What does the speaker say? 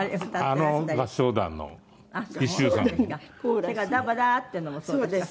それから「ダバダー」っていうのもそうですか？